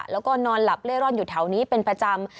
แล้วก็นอนหลับเล่ร่อนอยู่แถวนี้เป็นประจำ